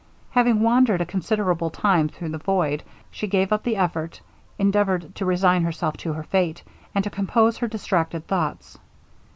Having wandered a considerable time through the void, she gave up the effort, endeavoured to resign herself to her fate, and to compose her distracted thoughts.